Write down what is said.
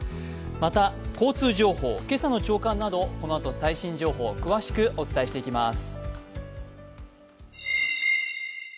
また交通情報、今朝の朝刊などこのあと最新情報を詳しくお伝えしていきます。